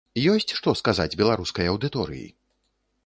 Ёсць што сказаць беларускай аўдыторыі?